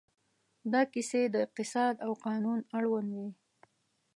دا کیسې د اقتصاد او قانون اړوند وې.